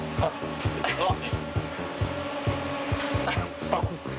あああっ！